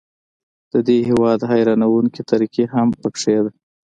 د دې هیواد حیرانوونکې ترقي هم پکې ده.